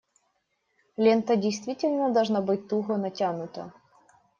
Лента действительно должна быть туго натянута.